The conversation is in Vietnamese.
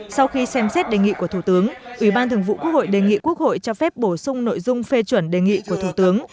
sau khi xem xét đề nghị của thủ tướng ủy ban thường vụ quốc hội đề nghị quốc hội cho phép bổ sung nội dung phê chuẩn đề nghị của thủ tướng